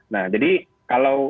nah jadi kalau